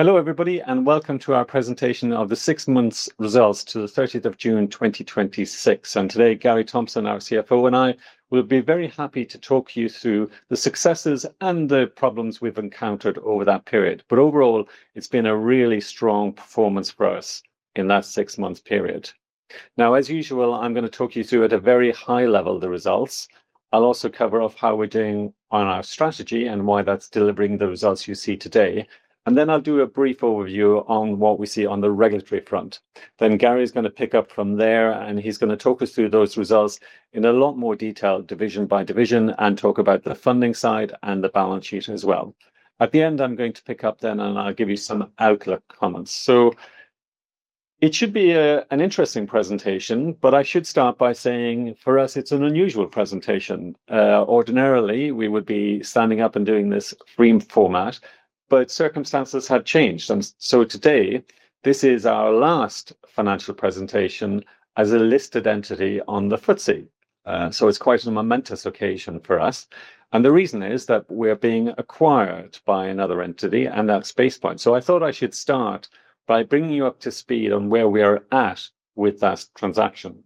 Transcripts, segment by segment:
Hello everybody, welcome to our presentation of the six months' results to the 30th of June 2026. Today, Gary Thompson, our CFO, and I will be very happy to talk you through the successes and the problems we've encountered over that period. Overall, it's been a really strong performance for us in that six-month period. As usual, I'm going to talk you through at a very high level the results. I'll also cover how we're doing on our strategy and why that's delivering the results you see today. Then I'll do a brief overview on what we see on the regulatory front. Gary's going to pick up from there, and he's going to talk us through those results in a lot more detail, division by division, and talk about the funding side and the balance sheet as well. At the end, I'm going to pick it up then, and I'll give you some outlook comments. It should be an interesting presentation, but I should start by saying, for us, it's an unusual presentation. Ordinarily, we would be standing up and doing this room format, but circumstances have changed. Today, this is our last financial presentation as a listed entity on the FTSE. It's quite a momentous occasion for us. The reason is that we're being acquired by another entity, and that's Basepoint. I thought I should start by bringing you up to speed on where we are at with that transaction.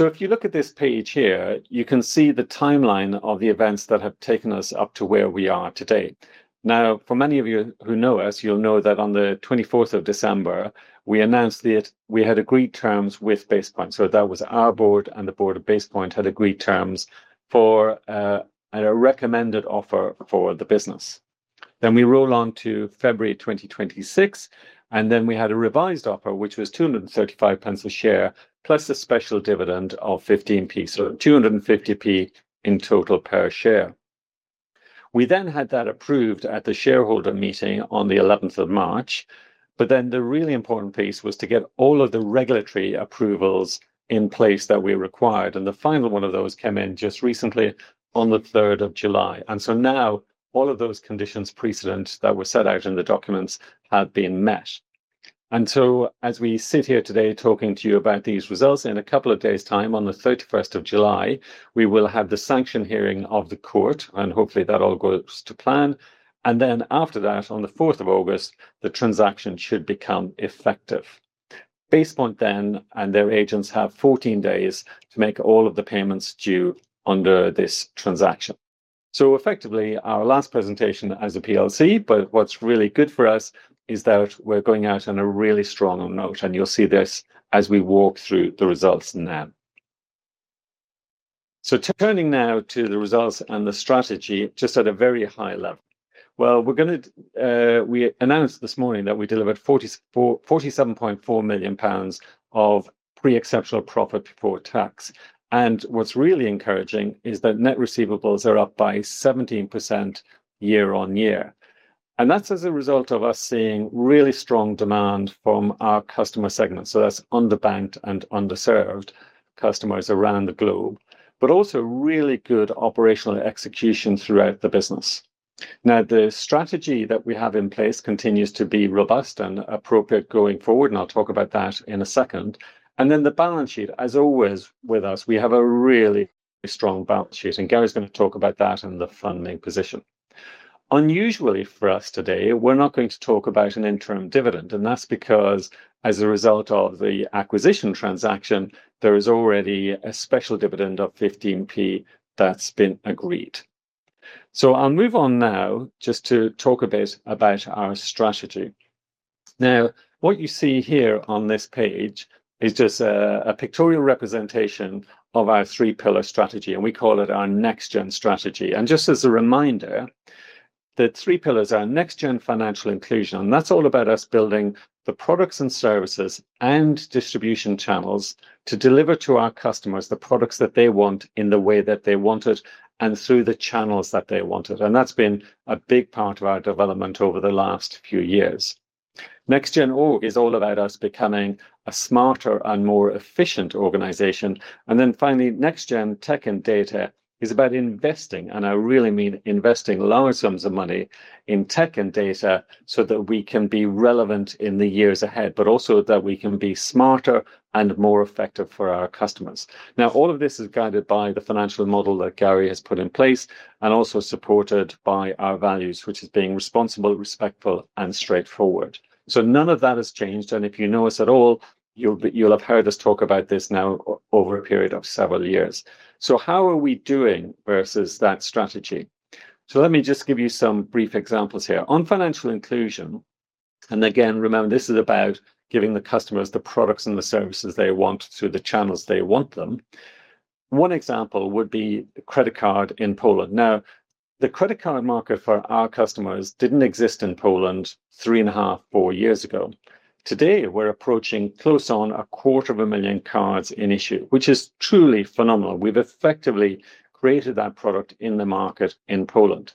If you look at this page here, you can see the timeline of the events that have taken us up to where we are today. For many of you who know us, you'll know that on the 24th of December, we announced that we had agreed terms with Basepoint. That was our board, and the board of Basepoint had agreed to terms for a recommended offer for the business. We roll on to February 2026, and then we had a revised offer, which was 2.35 a share, plus a special dividend of 0.15, 2.50 in total per share. We then had that approved at the shareholder meeting on the 11th of March, but then the really important piece was to get all of the regulatory approvals in place that we required. The final one of those came in just recently on the 3rd of July. So now, all of those conditions precedents that were set out in the documents have been met. As we sit here today talking to you about these results, in a couple of days' time, on the 31st of July, we will have the sanction hearing of the court, and hopefully that all goes to plan. After that, on the 4th of August, the transaction should become effective. Basepoint then and their agents have 14 days to make all of the payments due under this transaction. Effectively, our last presentation as a PLC, but what's really good for us is that we're going out on a really strong note, and you'll see this as we walk through the results now. Turning now to the results and the strategy, just at a very high level. We announced this morning that we delivered 47.4 million pounds of pre-exceptional profit before tax. What's really encouraging is that net receivables are up by 17% year-over-year. That's as a result of us seeing really strong demand from our customer segment. That's under-banked and under-served customers around the globe, but also really good operational execution throughout the business. The strategy that we have in place continues to be robust and appropriate going forward, and I'll talk about that in a second. The balance sheet, as always with us, we have a really strong balance sheet, and Gary's going to talk about that and the funding position. Unusually for us today, we're not going to talk about an interim dividend, and that's because as a result of the acquisition transaction, there is already a special dividend of 0.15 that's been agreed upon I'll move on now just to talk a bit about our strategy. What you see here on this page is just a pictorial representation of our three-pillar strategy; we call it our NextGen strategy. Just as a reminder, the three pillars are NextGen financial inclusion, that's all about us building the products and services and distribution channels to deliver to our customers the products that they want in the way that they want it and through the channels that they want it. That's been a big part of our development over the last few years. The NextGen org is all about us becoming a smarter and more efficient organization. Finally, NextGen tech and data are about investing; I really mean investing large sums of money in tech and data so that we can be relevant in the years ahead but also so that we can be smarter and more effective for our customers. All of this is guided by the financial model that Gary has put in place and also supported by our values, which is being responsible, respectful, and straightforward. None of that has changed. If you know us at all, you'll have heard us talk about this now over a period of several years. How are we doing versus that strategy? Let me just give you some brief examples here. On financial inclusion, again, remember, this is about giving the customers the products and the services they want through the channels they want them. One example would be the credit card in Poland. The credit card market for our customers didn't exist in Poland three and a half, four years ago. Today, we're approaching close on a quarter of a million cards in issue, which is truly phenomenal. We've effectively created that product in the market in Poland.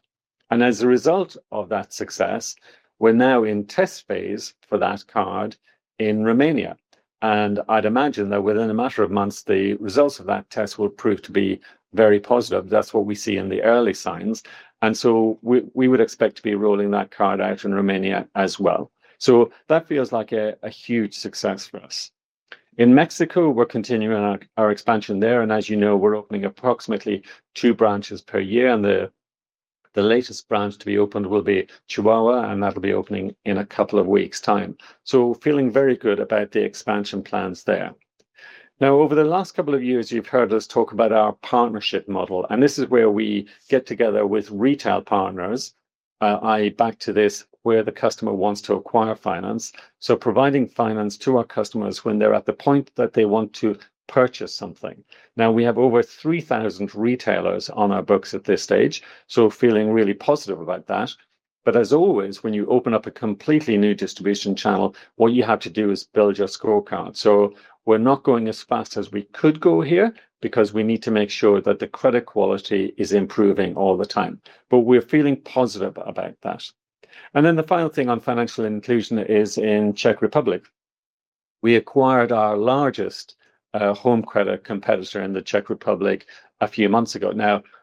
As a result of that success, we're now in the test phase for that card in Romania. I'd imagine that within a matter of months, the results of that test will prove to be very positive. That's what we see in the early signs. We would expect to be rolling that card out in Romania as well. That feels like a huge success for us. In Mexico, we're continuing our expansion there, and as you know, we're opening approximately two branches per year, and the latest branch to be opened will be Chihuahua, and that'll be opening in a couple of weeks' time. Feeling very good about the expansion plans there. Over the last couple of years, you've heard us talk about our partnership model, this is where we get together with retail partners, i.e., back to this, where the customer wants to acquire finance, providing finance to our customers when they're at the point that they want to purchase something. We have over 3,000 retailers on our books at this stage, feeling really positive about that. As always, when you open up a completely new distribution channel, what you have to do is build your scorecard. We're not going as fast as we could go here because we need to make sure that the credit quality is improving all the time. We're feeling positive about that. The final thing on financial inclusion is in the Czech Republic. We acquired our largest home credit competitor in the Czech Republic a few months ago.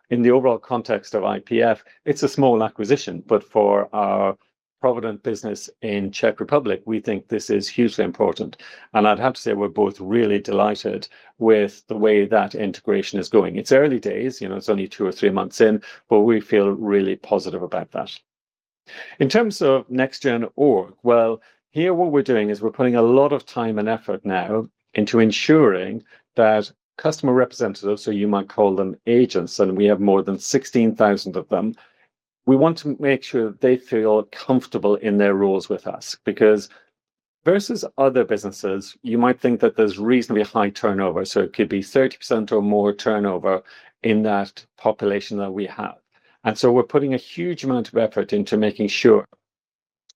In the overall context of IPF, it's a small acquisition; for our Provident business in the Czech Republic, we think this is hugely important. I'd have to say we're both really delighted with the way that integration is going. It's early days; it's only two or three months in, we feel really positive about that. In terms of NextGen org, well, here what we're doing is we're putting a lot of time and effort now into ensuring that customer representatives, so you might call them agents, and we have more than 16,000 of them; we want to make sure they feel comfortable in their roles with us, because versus other businesses, you might think that there's reasonably high turnover, so it could be 30% or more turnover in that population that we have. We're putting a huge amount of effort into making sure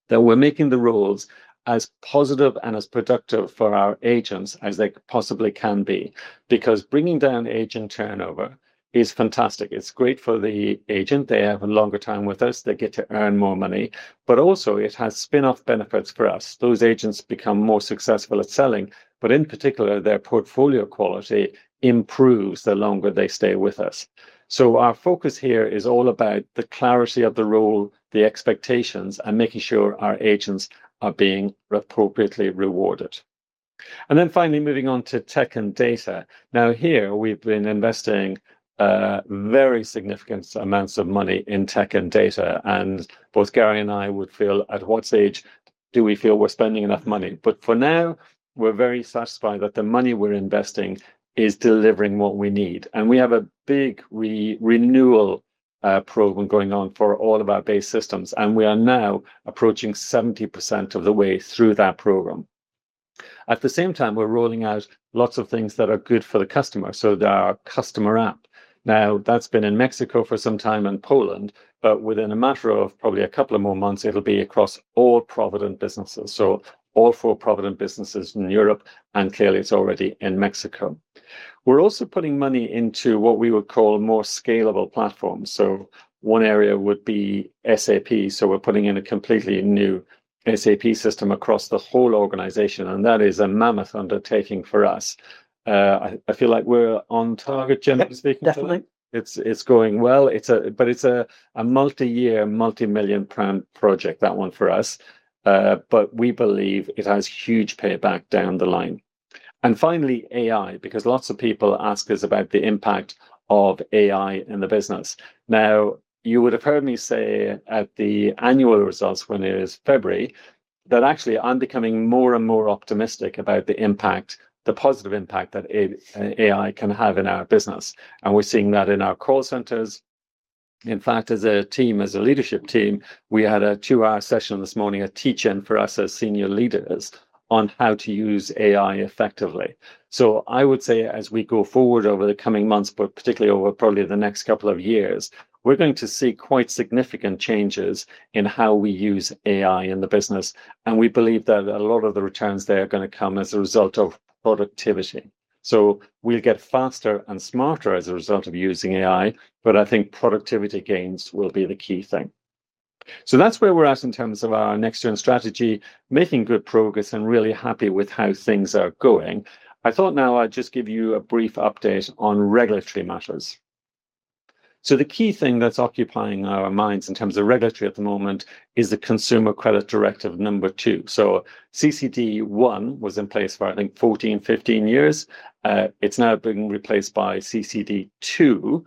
that we're making the roles as positive and as productive for our agents as they possibly can be. Because bringing down agent turnover is fantastic. It's great for the agent. They have a longer time with us. They get to earn more money. Also, it has spin-off benefits for us. Those agents become more successful at selling; in particular, their portfolio quality improves the longer they stay with us. Our focus here is all about the clarity of the role, the expectations, and making sure our agents are being appropriately rewarded. Finally moving on to tech and data. Here we've been investing very significant amounts of money in tech and data, both Gary and I would feel; at what stage do we feel we're spending enough money? For now, we're very satisfied that the money we're investing is delivering what we need. We have a big renewal program going on for all of our base systems, and we are now approaching 70% of the way through that program. At the same time, we're rolling out lots of things that are good for the customer, like our customer app. That's been in Mexico for some time and Poland, but within a matter of probably a couple more months, it'll be across all four Provident businesses in Europe, and clearly it's already in Mexico. We're also putting money into what we would call more scalable platforms. One area would be SAP. We're putting in a completely new SAP system across the whole organization, and that is a mammoth undertaking for us. I feel like we're on target, generally speaking, Philip. Definitely. It's going well. It's a multi-year, multi-million GBP project, that one for us. We believe it has huge payback down the line. Finally, AI, because lots of people ask us about the impact of AI on the business. You would have heard me say at the annual results when it was February that actually I'm becoming more and more optimistic about the impact, the positive impact, that AI can have in our business. We're seeing that in our call centers. In fact, as a team, as a leadership team, we had a two-hour session this morning, a teach-in for us as senior leaders on how to use AI effectively. I would say as we go forward over the coming months, but particularly over probably the next couple of years, we're going to see quite significant changes in how we use AI in the business, and we believe that a lot of the returns there are going to come as a result of productivity. We'll get faster and smarter as a result of using AI, but I think productivity gains will be the key thing. That's where we're at in terms of our NextGen strategy, making good progress and really happy with how things are going. I thought now I'd just give you a brief update on regulatory matters. The key thing that's occupying our minds in terms of regulation at the moment is the Consumer Credit Directive II. The CCD I was in place for, I think, 14-15 years. It's now been replaced by CCD II.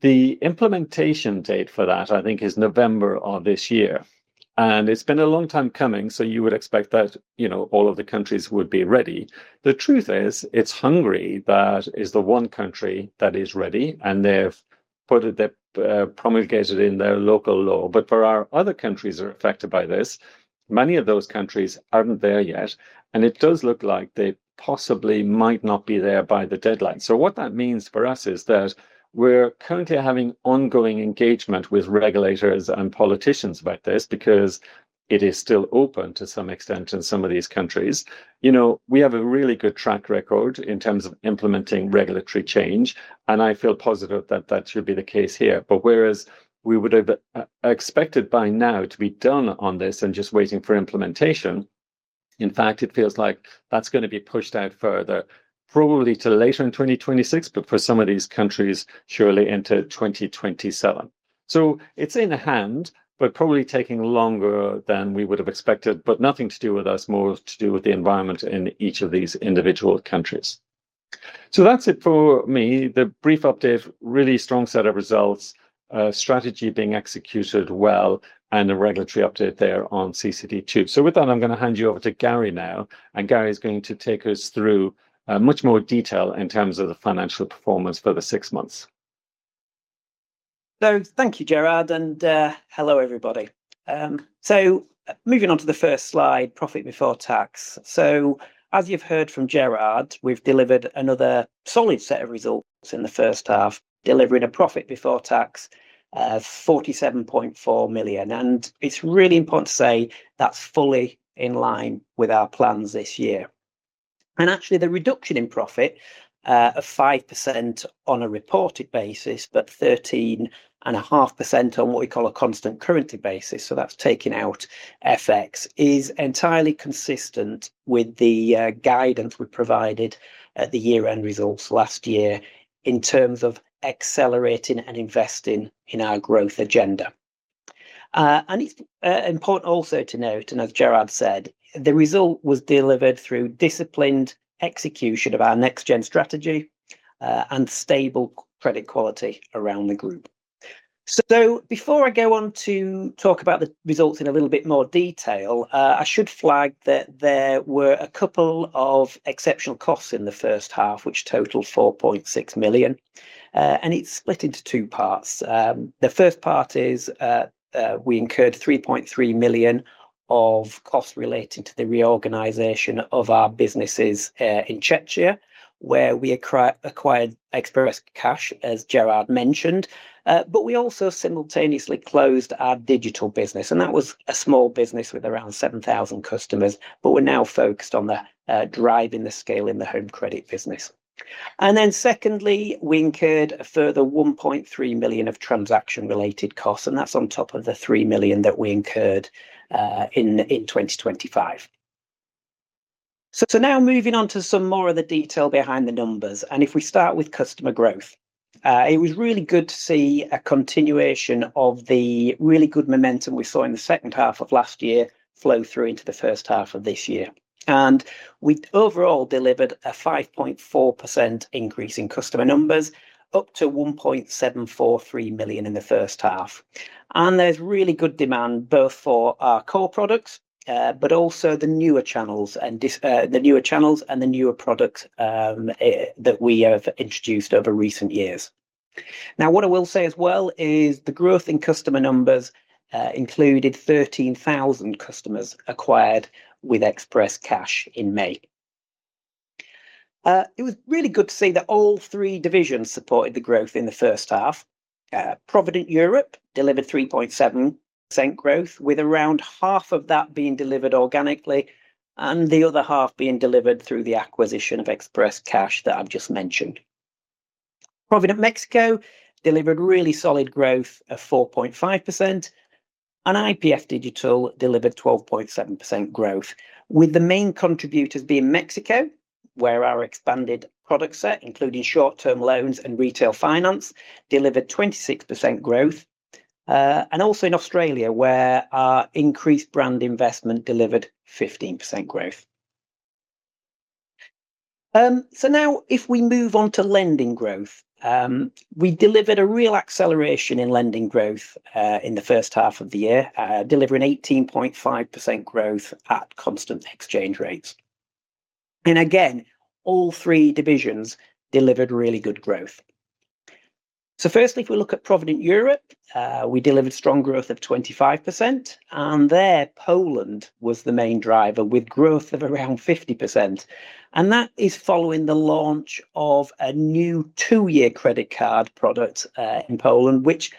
The implementation date for that, I think, is November of this year. It's been a long time coming, so you would expect that all of the countries would be ready. The truth is, it's Hungary that is the one country that is ready, and they've promulgated it in their local law. For our other countries that are affected by this, many of those countries aren't there yet, and it does look like they possibly might not be there by the deadline. What that means for us is that we're currently having ongoing engagement with regulators and politicians about this because it is still open to some extent in some of these countries. We have a really good track record in terms of implementing regulatory change, and I feel positive that that should be the case here. Whereas we would have expected by now to be done on this and just waiting for implementation, in fact, it feels like that's going to be pushed out further, probably to later in 2026, but for some of these countries, surely into 2027. It's in hand but probably taking longer than we would have expected, but it has nothing to do with us; it has more to do with the environment in each of these individual countries. That's it for me. The brief update, really strong set of results, strategy being executed well, and a regulatory update there on CCD2. With that, I'm going to hand you over to Gary now, and Gary's going to take us through much more detail in terms of the financial performance for the six months. Thank you, Gerard, and hello everybody. Moving on to the first slide, profit before tax. As you've heard from Gerard, we've delivered another solid set of results in the first half, delivering a profit before tax of 47.4 million. It's really important to say that's fully in line with our plans this year. The reduction in profit, 5% on a reported basis but 13.5% on what we call a constant currency basis, so that's taking out FX, is entirely consistent with the guidance we provided at the year-end results last year in terms of accelerating and investing in our growth agenda. It's important also to note, as Gerard said, the result was delivered through disciplined execution of our NextGen strategy and stable credit quality around the group. Before I go on to talk about the results in a little bit more detail, I should flag that there were a couple of exceptional costs in the first half, which totaled 4.6 million. It's split into two parts. The first part is we incurred 3.3 million of costs relating to the reorganization of our businesses in Czechia, where we acquired Express Cash, as Gerard mentioned. We also simultaneously closed our digital business, and that was a small business with around 7,000 customers, but we're now focused on driving the scale in the home credit business. Secondly, we incurred a further 1.3 million of transaction-related costs, and that's on top of the 3 million that we incurred in 2025. Now, moving on to some more of the detail behind the numbers, if we start with customer growth. It was really good to see a continuation of the really good momentum we saw in the second half of last year flow through into the first half of this year. We overall delivered a 5.4% increase in customer numbers, up to 1.743 million in the first half. There's really good demand not only for our core products but also for the newer channels and the newer products that we have introduced over recent years. What I will say as well is the growth in customer numbers included 13,000 customers acquired with Express Cash in May. It was really good to see that all three divisions supported the growth in the first half. Provident Europe delivered 3.7% growth, with around half of that being delivered organically and the other half being delivered through the acquisition of Express Cash that I've just mentioned. Provident Mexico delivered really solid growth of 4.5%; IPF Digital delivered 12.7% growth, with the main contributors being Mexico, where our expanded product set, including short-term loans and retail finance, delivered 26% growth. Also in Australia, where our increased brand investment delivered 15% growth. Now, if we move on to lending growth. We delivered a real acceleration in lending growth in the first half of the year, delivering 18.5% growth at constant exchange rates. Again, all three divisions delivered really good growth. Firstly, if we look at Provident Europe, we delivered strong growth of 25%, and there, Poland was the main driver, with growth of around 50%. That is following the launch of a new two-year credit card product in Poland, which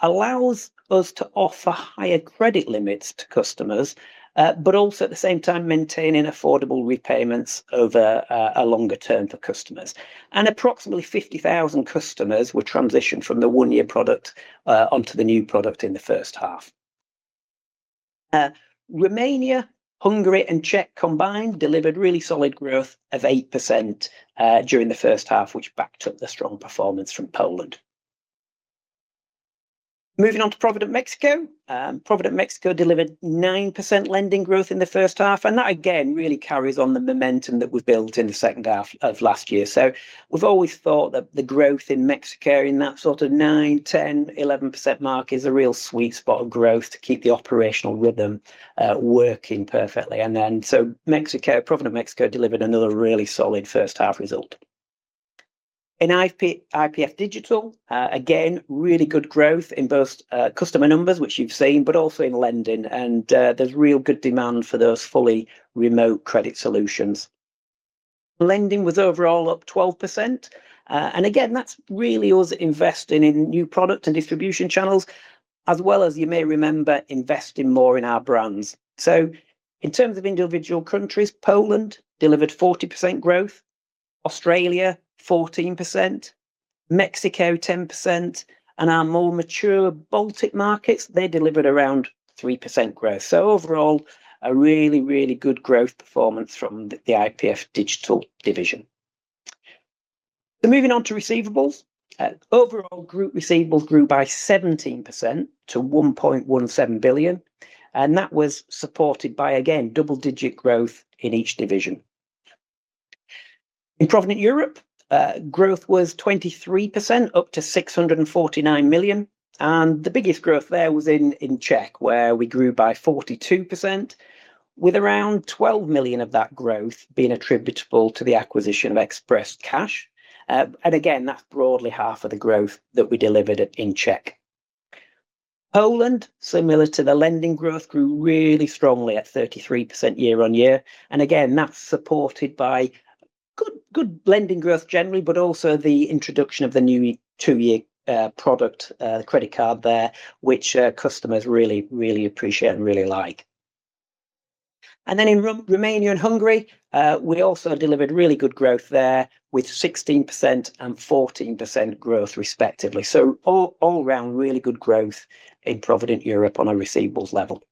allows us to offer higher credit limits to customers but also, at the same time, maintain affordable repayments over a longer term for customers. Approximately 50,000 customers were transitioned from the one-year product onto the new product in the first half. Romania, Hungary, and the Czech Republic combined delivered really solid growth of 8% during the first half, which backed up the strong performance from Poland. Moving on to Provident Mexico. Provident Mexico delivered 9% lending growth in the first half, which again really carries on the momentum that was built in the second half of last year. We've always thought that the growth in Mexico in that sort of 9%, 10%, and 11% mark is a real sweet spot of growth to keep the operational rhythm working perfectly. Provident Mexico delivered another really solid first-half result. In IPF Digital, again, there's really good growth in both customer numbers, which you've seen, but also in lending, and there's real good demand for those fully remote credit solutions. Lending was overall up 12%; again, that's really us investing in new product and distribution channels as well as, you may remember, investing more in our brands. In terms of individual countries, Poland delivered 40% growth, Australia 14%, Mexico 10%, and our more mature Baltic markets delivered around 3% growth. Overall, a really, really good growth performance from the IPF Digital division. Moving on to receivables. Overall group receivables grew by 17% to 1.17 billion, which was supported by, again, double-digit growth in each division. In Provident Europe, growth was 23%, up to 649 million, the biggest growth there was in Czech, where we grew by 42%, with around 12 million of that growth being attributable to the acquisition of Express Cash. Again, that's broadly half of the growth that we delivered in Czech. Poland, similar to the lending growth, grew really strongly at 33% year-over-year. Again, that's supported by good lending growth generally, but also the introduction of the new two-year product, the credit card there, which customers really, really appreciate and really like. In Romania and Hungary, we also delivered really good growth there with 16% and 14% growth, respectively. All around, really good growth in Provident Europe on a receivables level.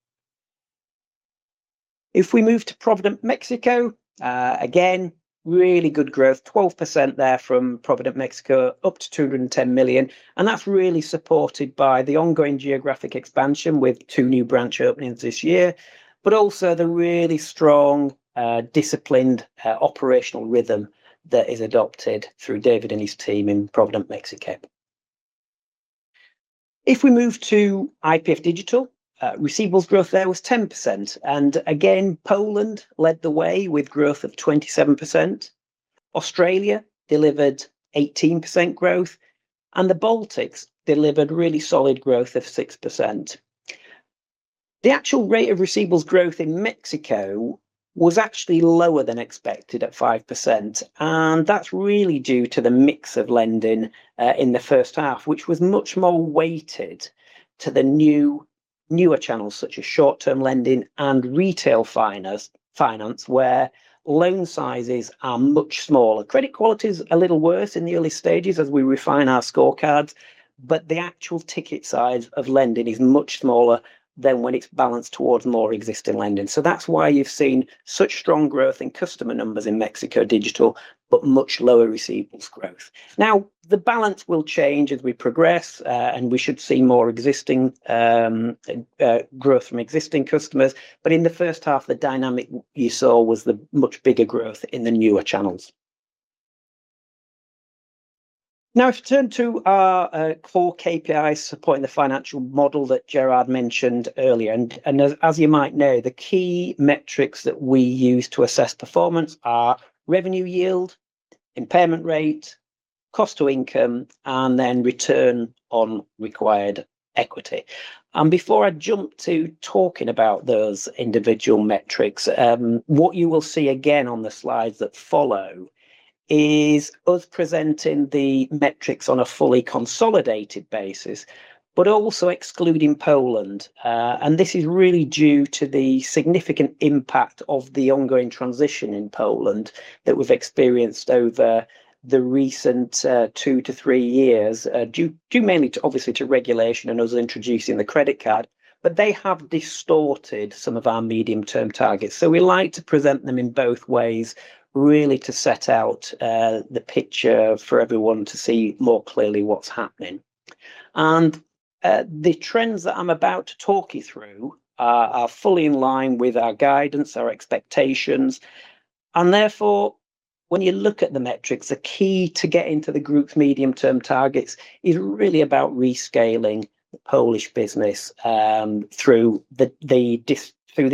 If we move to Provident Mexico, again, really good growth, 12% there from Provident Mexico up to 210 million, that's really supported by the ongoing geographic expansion with two new branch openings this year and also the really strong, disciplined operational rhythm that is adopted by David and his team in Provident Mexico. If we move to IPF Digital, receivables growth there was 10%; Poland led the way with growth of 27%. Australia delivered 18% growth, and the Baltics delivered really solid growth of 6%. The actual rate of receivables growth in Mexico was actually lower than expected at 5%, that's really due to the mix of lending in the first half, which was much more weighted to the newer channels such as short-term lending and retail finance, where loan sizes are much smaller. Credit quality is a little worse in the early stages as we refine our scorecards; the actual ticket size of lending is much smaller than when it's balanced towards more existing lending. That's why you've seen such strong growth in customer numbers in Mexico Digital but much lower receivables growth. The balance will change as we progress; we should see more growth from existing customers. In the first half, the dynamic you saw was the much bigger growth in the newer channels. If you turn to our core KPIs supporting the financial model that Gerard mentioned earlier, as you might know, the key metrics that we use to assess performance are revenue yield, impairment rate, cost to income, and return on required equity. Before I jump to talking about those individual metrics, what you will see again on the slides that follow is us presenting the metrics on a fully consolidated basis, also excluding Poland. This is really due to the significant impact of the ongoing transition in Poland that we've experienced over the recent two to three years, due mainly obviously to regulation and us introducing the credit card. They have distorted some of our medium-term targets. We like to present them in both ways, really to set out the picture for everyone to see more clearly what's happening. The trends that I'm about to talk you through are fully in line with our guidance and our expectations; therefore, when you look at the metrics, the key to getting to the group's medium-term targets is really about rescaling the Polish business through the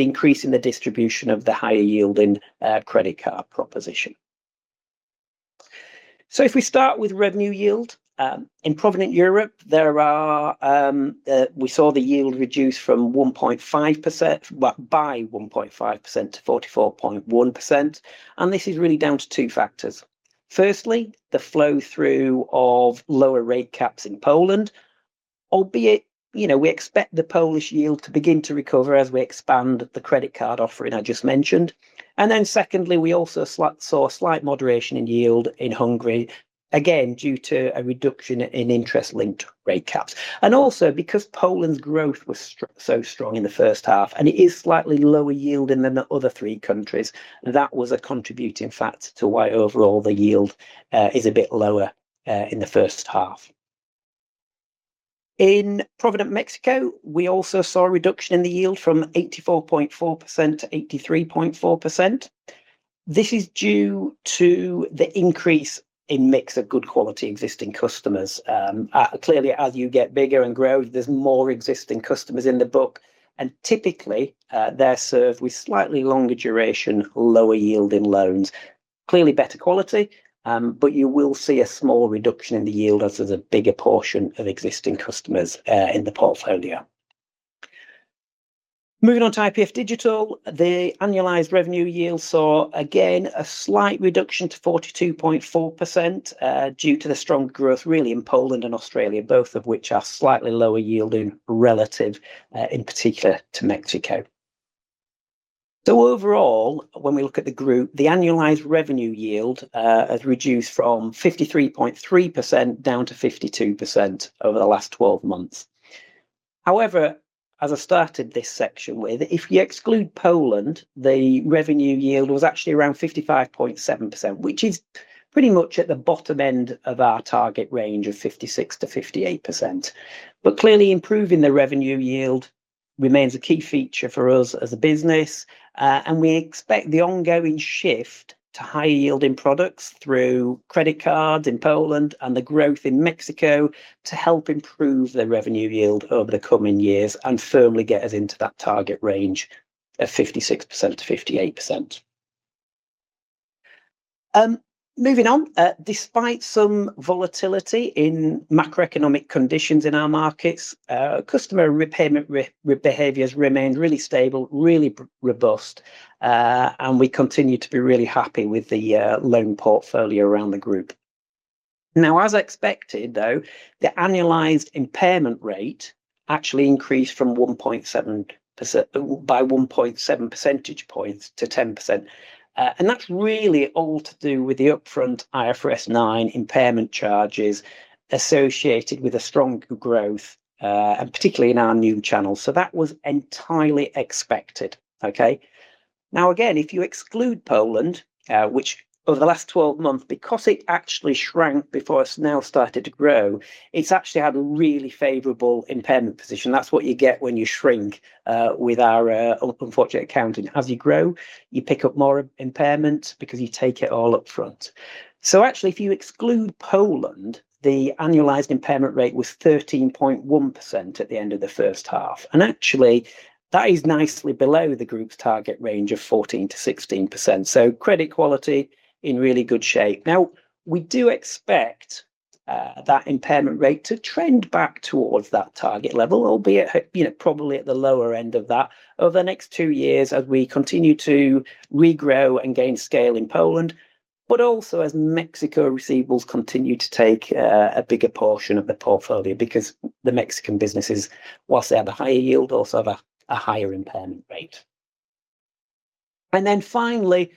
increase in the distribution of the higher-yielding credit card proposition. If we start with revenue yield, in Provident Europe, we saw the yield reduce by 1.5% to 44.1%; this is really down to two factors. Firstly, the flow-through of lower rate caps in Poland, although we expect the Polish yield to begin to recover as we expand the credit card offering I just mentioned. Secondly, we also saw a slight moderation in yield in Hungary, again due to a reduction in interest-linked rate caps. Because Poland's growth was so strong in the first half and it is slightly lower yielding than the other three countries, that was a contributing factor to why overall the yield is a bit lower in the first half. In Provident Mexico, we also saw a reduction in the yield from 84.4% to 83.4%. This is due to the increase in the mix of good-quality existing customers. Clearly, as you get bigger and grow, there are more existing customers in the book, and typically, they are served with slightly longer-duration, lower-yielding loans. Clearly better quality, you will see a small reduction in the yield as there is a bigger portion of existing customers in the portfolio. Moving on to IPF Digital, the annualized revenue yield saw, again, a slight reduction to 42.4% due to the strong growth really in Poland and Australia, both of which are slightly lower yielding relative, in particular, to Mexico. Overall, when we look at the group, the annualized revenue yield has reduced from 53.3% down to 52% over the last 12 months. As I started this section with, if you exclude Poland, the revenue yield was actually around 55.7%, which is pretty much at the bottom end of our target range of 56%-58%. Clearly improving the revenue yield remains a key feature for us as a business, and we expect the ongoing shift to higher-yielding products through credit cards in Poland and the growth in Mexico to help improve the revenue yield over the coming years and firmly get us into that target range of 56%-58%. Moving on, despite some volatility in macroeconomic conditions in our markets, customer repayment behaviors remained really stable and robust, and we continue to be really happy with the loan portfolio around the group. As expected, though, the annualized impairment rate actually increased by 1.7 percentage points to 10%, and that is really all to do with the upfront IFRS 9 impairment charges associated with strong growth, and particularly in our new channels. That was entirely expected. Okay. Again, if you exclude Poland, which over the last 12 months, because it actually shrank before it has now started to grow, it has actually had a really favorable impairment position. That is what you get when you shrink with our upfront accounting. As you grow, you pick up more impairment because you take it all up front. Actually, if you exclude Poland, the annualized impairment rate was 13.1% at the end of the first half. Actually, that is nicely below the group's target range of 14%-16%. Credit quality is in really good shape. We do expect that impairment rate to trend back towards that target level, albeit probably at the lower end of that, over the next two years as we continue to regrow and gain scale in Poland but also as Mexico receivables continue to take a bigger portion of the portfolio because the Mexican businesses, while they have a higher yield, also have a higher impairment rate. Finally,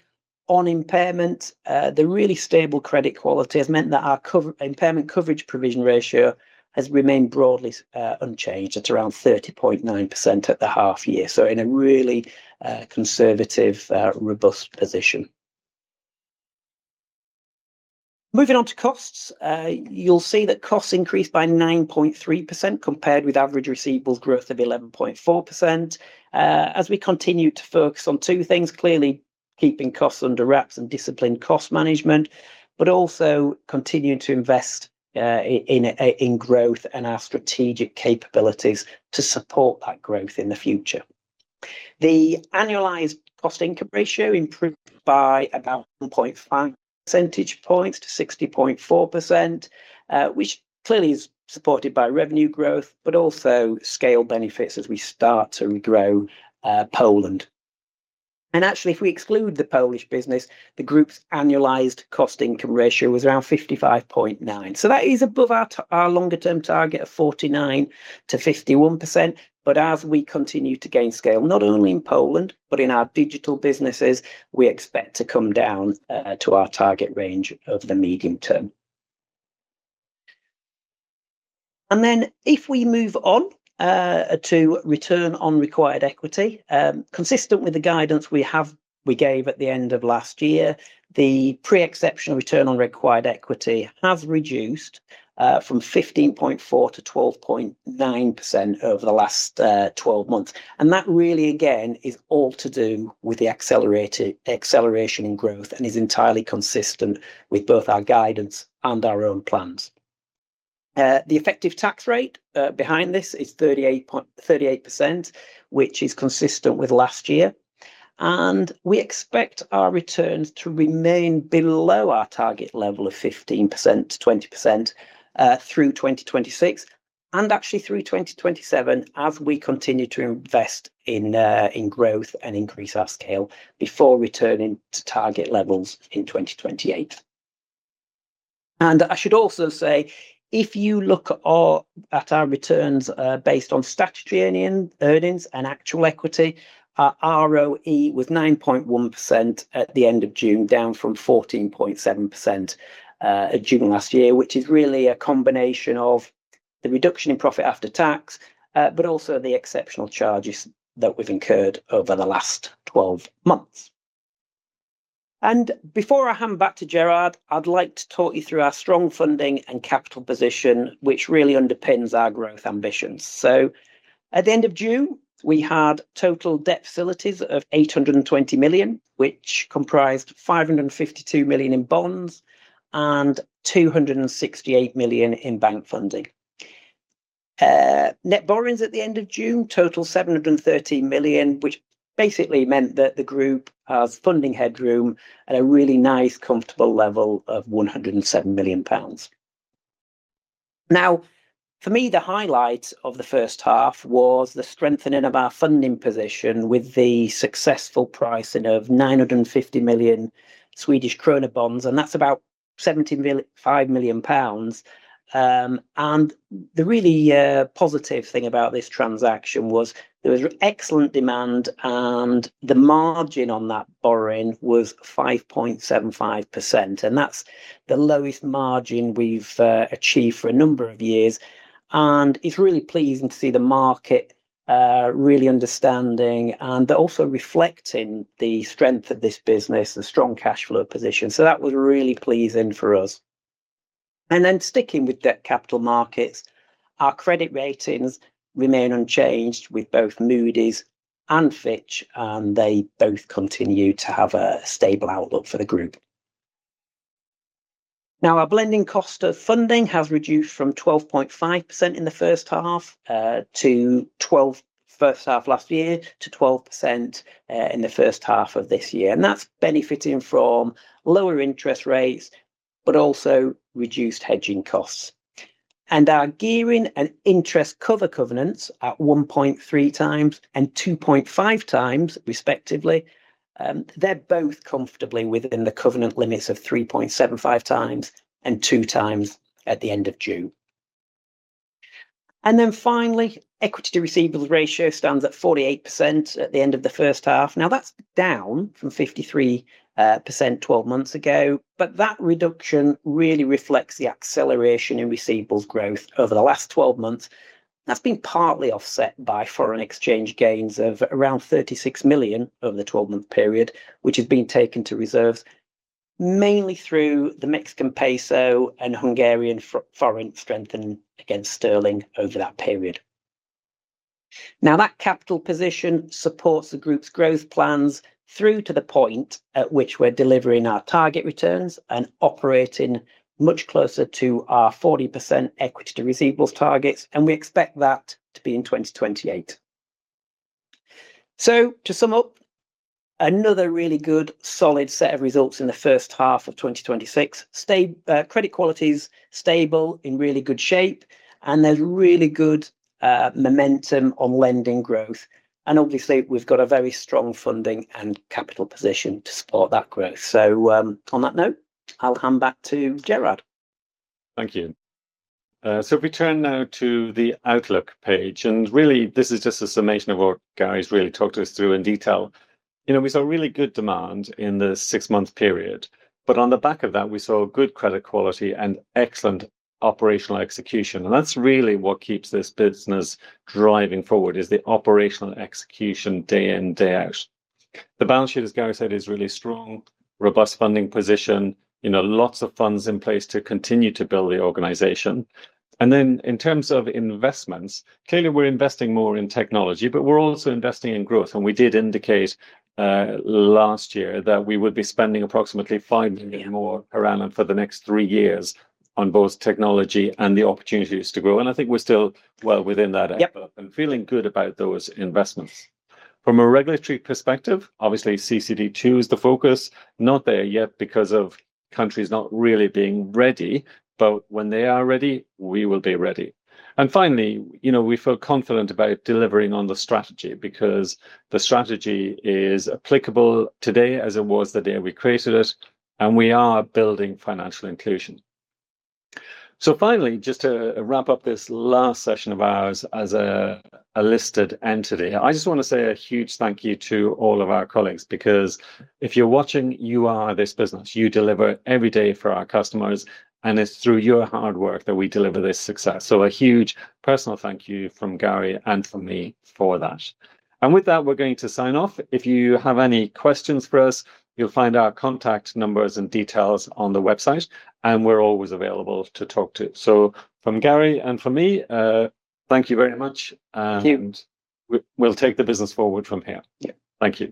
on impairment, the really stable credit quality has meant that our impairment coverage provision ratio has remained broadly unchanged at around 30.9% at the half-year. In a really conservative, robust position. Moving on to costs, you'll see that costs increased by 9.3% compared with average receivables growth of 11.4%. As we continue to focus on two things, clearly keeping costs under wraps and disciplined cost management, we are also continuing to invest in growth and our strategic capabilities to support that growth in the future. The annualized cost-income ratio improved by about 1.5 percentage points to 60.4%, which clearly is supported by revenue growth but also scale benefits as we start to regrow Poland. Actually, if we exclude the Polish business, the group's annualized cost-income ratio was around 55.9%. That is above our longer-term target of 49%-51%, but as we continue to gain scale, not only in Poland but in our digital businesses, we expect to come down to our target range over the medium term. If we move on to return on required equity, consistent with the guidance we gave at the end of last year, the pre-exceptional return on required equity has reduced from 15.4% to 12.9% over the last 12 months. That really, again, is all to do with the acceleration in growth and is entirely consistent with both our guidance and our own plans. The effective tax rate behind this is 38%, which is consistent with last year. We expect our returns to remain below our target level of 15%-20% through 2026 and actually through 2027 as we continue to invest in growth and increase our scale before returning to target levels in 2028. I should also say, if you look at our returns, based on statutory earnings and actual equity, our ROE was 9.1% at the end of June, down from 14.7% in June last year, which is really a combination of the reduction in profit after tax, but also the exceptional charges that we've incurred over the last 12 months. Before I hand back to Gerard, I'd like to talk you through our strong funding and capital position, which really underpins our growth ambitions. At the end of June, we had total debt facilities of 820 million, which comprised 552 million in bonds and 268 million in bank funding. Net borrowings at the end of June total 713 million, which basically meant that the group has funding headroom at a really nice, comfortable level of 107 million pounds. For me, the highlight of the first half was the strengthening of our funding position with the successful pricing of 950 million Swedish krona bonds; that's about 75 million pounds. The really positive thing about this transaction was there was excellent demand, and the margin on that borrowing was 5.75%; that's the lowest margin we've achieved for a number of years. It's really pleasing to see the market really understanding and also reflecting the strength of this business, the strong cash flow position. That was really pleasing for us. Sticking with debt capital markets, our credit ratings remain unchanged with both Moody's and Fitch; they both continue to have a stable outlook for the group. Our blending cost of funding has reduced from 12.5% in the first half last year to 12% in the first half of this year, benefiting from lower interest rates but also reduced hedging costs. Our gearing and interest cover covenants are at 1.3x and 2.5x, respectively; they're both comfortably within the covenant limits of 3.75x and 2x at the end of June. Finally, the equity to receivables ratio stands at 48% at the end of the first half. That's down from 53% 12 months ago; that reduction really reflects the acceleration in receivables growth over the last 12 months. That's been partly offset by foreign exchange gains of around 36 million over the 12-month period, which have been taken to reserves mainly through the Mexican peso and Hungarian forint strengthening against sterling over that period. That capital position supports the group's growth plans through to the point at which we're delivering our target returns and operating much closer to our 40% equity to receivables targets; we expect that to be in 2028. To sum up, another really good, solid set of results in the first half of 2026. Credit quality's stable, in really good shape, and there's really good momentum on lending growth. Obviously, we've got a very strong funding and capital position to support that growth. On that note, I'll hand back to Gerard. Thank you. If we turn now to the outlook page, really this is just a summation of what Gary's really talked us through in detail. We saw really good demand in the six-month period; on the back of that, we saw good credit quality and excellent operational execution. That's really what keeps this business driving forward: the operational execution day in, day out. The balance sheet, as Gary said, is really strong, a robust funding position, with lots of funds in place to continue to build the organization. In terms of investments, clearly we're investing more in technology, we're also investing in growth. We did indicate last year that we would be spending approximately 5 million more per annum for the next three years on both technology and the opportunities to grow. I think we're still well within that envelope. Yep Feeling good about those investments. From a regulatory perspective, obviously CCD II is the focus. Not there yet because of countries not really being ready, but when they are ready, we will be ready. Finally, we feel confident about delivering on the strategy, because the strategy is as applicable today as it was the day we created it, and we are building financial inclusion. Finally, just to wrap up this last session of ours as a listed entity, I just want to say a huge thank you to all of our colleagues, because if you're watching, you are this business. You deliver every day for our customers, and it's through your hard work that we deliver this success. A huge personal thank you from Gary and from me for that. With that, we're going to sign off. If you have any questions for us, you'll find our contact numbers and details on the website; we're always available to talk to. From Gary and from me, thank you very much. Thank you. We'll take the business forward from here. Yeah. Thank you.